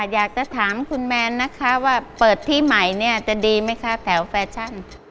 อยากจะถามคุณแมนนะคะว่าเปิดที่ใหม่เนี่ยจะดีไหมคะแถวแฟชั่น